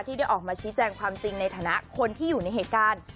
ได้ออกมาชี้แจงความจริงในฐานะคนที่อยู่ในเหตุการณ์